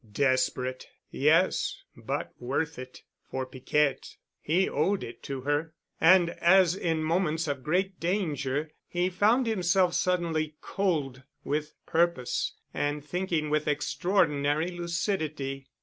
Desperate! Yes, but worth it—for Piquette. He owed it to her. And, as in moments of great danger, he found himself suddenly cold with purpose and thinking with extraordinary lucidity.